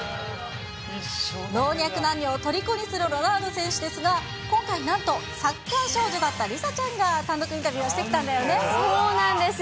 老若男女をとりこにするロナウド選手ですが、今回、なんとサッカー少女だった梨紗ちゃんが単独インタビューをしてきそうなんですよ。